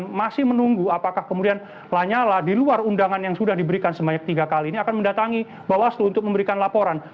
jadi saya masih menunggu apakah kemudian lanyala di luar undangan yang sudah diberikan sebanyak tiga kali ini akan mendatangi bawaslu untuk memberikan laporan